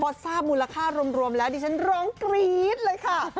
พอทราบมูลค่ารวมแล้วดิฉันร้องกรี๊ดเลยค่ะ